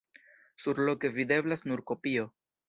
Surloke videblas nur kopio.